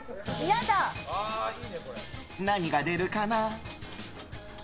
何が出るかな？